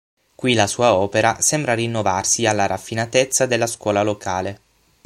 Qui la sua opera sembra rinnovarsi alla raffinatezza della scuola locale.